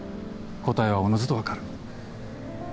答えはおのずとわかる。